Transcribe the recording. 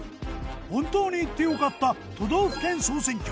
本当に行って良かった都道府県総選挙。